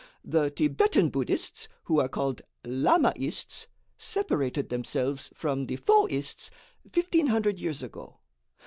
The Thibetan Buddhists, who are called 'lamaists,' separated themselves from the Fô ists fifteen hundred years ago.